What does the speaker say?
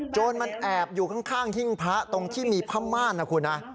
จนมันแอบอยู่ข้างหิ้งพระตรงที่มีผ้าม่านนะคุณนะ